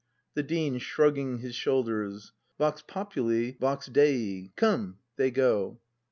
The Dean. [Shrugging his shoulders.^ Vox populi vox Dei. Come'. [They go.